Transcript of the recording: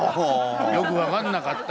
よく分かんなかった？